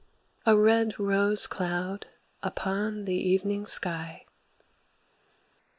A red rose cloud upon the evening sky.